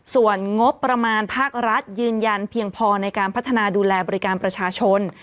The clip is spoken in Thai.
ส่วนงบประมาณภาครัฐยืนยันเพียงพอในการพัฒนาดูแลบริการประชาชน